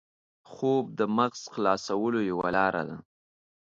خوب د مغز خلاصولو یوه لاره ده